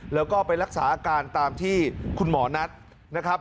แล้วก็ไปรักษาอาการตามที่คุณหมอนัดนะครับ